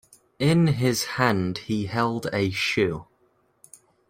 In his hand he held a shoe.